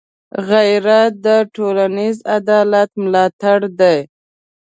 غیرت د ټولنيز عدالت ملاتړی دی